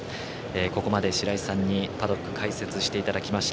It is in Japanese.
ここまで白井さんにパドック解説していただきました。